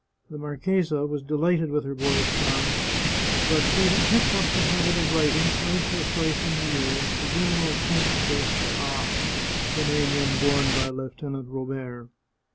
The marchesa was delighted with her boy's charms. But she had kept up the habit of writing, twice or thrice in the year, to General Comte d'A (the name then borne by Lieutenant Robert).